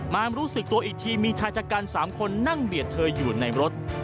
มารู้สึกตัวอีกทีมีชายชะกัน๓คนนั่งเบียดเธออยู่ในรถ